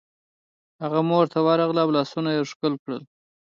هغه مور ته ورغله او لاسونه یې ښکل کړل